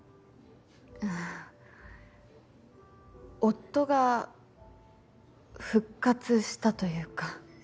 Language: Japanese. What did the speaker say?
んー夫が復活したというか。